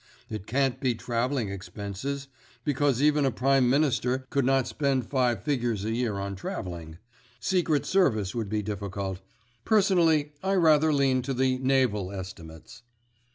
It can't be travelling expenses, because even a Prime Minister could not spend five figures a year on travelling. Secret Service would be difficult. Personally I rather lean to the Naval Estimates."